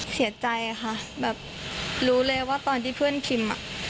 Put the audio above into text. เสียใจค่ะแบบรู้เลยว่าตอนที่เพื่อนคิมอ่ะ